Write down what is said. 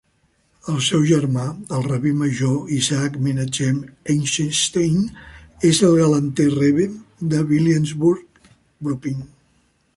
El seu germà, el rabí major Isaac Menachem Eichenstein, és el "Galanter Rebbe" de Williamsburg, Brooklyn.